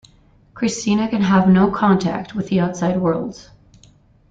Christina can have no contact with the outside world.